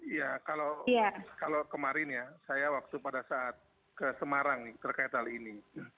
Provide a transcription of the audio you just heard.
iya kalau kemarin ya saya waktu pada saat ke semarang terkait hal ini